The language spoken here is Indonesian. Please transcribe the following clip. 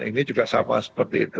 ini juga sama seperti itu